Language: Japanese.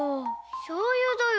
しょうゆだよ。